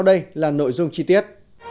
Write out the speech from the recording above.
đây là nội dung chi tiết